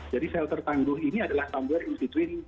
jadi shelter tangguh ini adalah tambuhan institusi